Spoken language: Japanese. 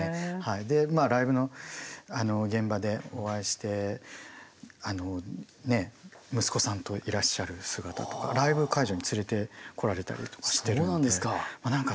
でまあライブの現場でお会いして息子さんといらっしゃる姿とかライブ会場に連れてこられたりとかしてるんでそうなんですか。